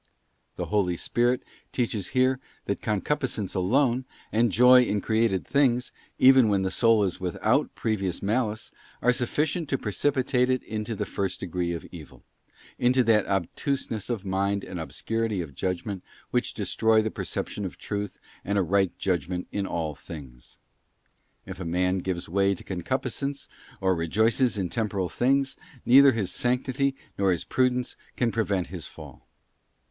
'* The Holy Spirit teaches here that concupiscence alone, and joy in created things, even when the soul is without previous malice, are sufficient to precipitate it into the first degree of evil; into that obtuseness of mind and obscurity of judgment which destroy the perception of truth and a right judgment in all things. If a man gives way to concupiscence, or rejoices in temporal things, neither his sanctity nor his prudence can prevent his fall.